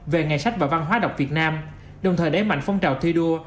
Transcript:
về nghề sách và văn hóa đọc việt nam đồng thời đáy mạnh phong trào thi đua